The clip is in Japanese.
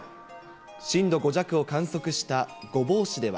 震度５弱を観測した御坊市では。